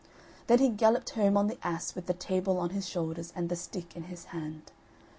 Then he galloped home on the ass, with the table on his shoulders, and the stick in his hand.